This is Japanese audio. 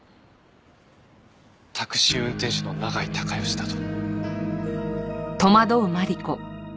タクシー運転手の永井孝良だと。